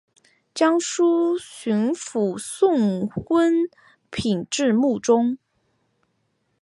江苏巡抚宋荦聘致幕中。